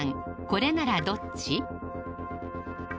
これならどっち？